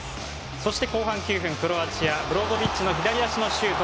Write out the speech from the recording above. そして、後半９分、クロアチアブロゾビッチの左足のシュート。